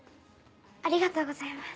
ありがとうございます。